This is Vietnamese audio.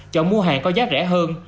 chọn mua hàng có giá rẻ hơn